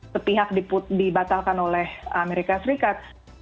sepihak dibatalkan oleh amerika serikat